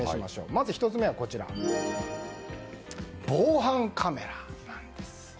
まず１つ目は防犯カメラなんです。